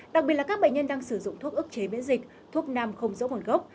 đặc biệt là các bệnh nhân đang sử dụng thuốc ức chế biễn dịch thuốc nam không dỗ ngọn gốc